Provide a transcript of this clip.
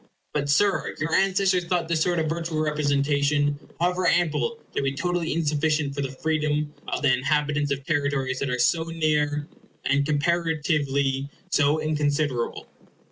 But, Sir, your ancestors thought this sort of virtual representation, however ample, to be totally insufficient for the freedom of the inhabitants of territories that are so near, and comparatively so inconsiderable.